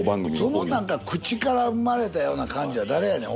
そのなんか口から生まれたような感じは誰やねん。